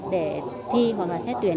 để thi hoặc là xét tuyển